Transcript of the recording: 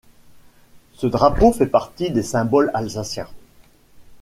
Ce drapeau fait partie des symboles alsaciens.